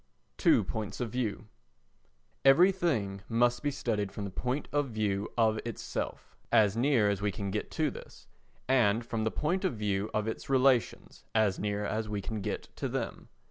Two Points of View Everything must be studied from the point of view of itself, as near as we can get to this, and from the point of view of its relations, as near as we can get to them.